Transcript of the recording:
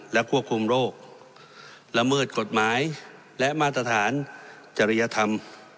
และควบคุมโรคละเมิดกฎหมายและมาตรฐานจริยธรรม